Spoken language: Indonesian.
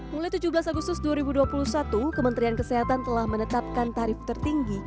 mulai tujuh belas agustus dua ribu dua puluh satu kementerian kesehatan telah menetapkan tarif tertinggi